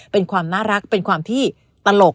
เป็นความน่ารักเป็นความที่ตลก